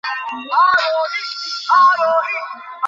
শারীরিক অবস্থা বেশি খারাপ হলে ভালো চিকিৎসার জন্য রওনা দেন ঢাকায়।